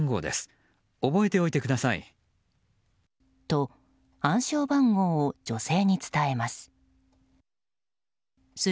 と、暗証番号を女性に伝えます。